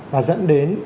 và dẫn đến